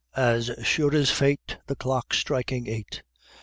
as sure as fate The clock's striking Eight!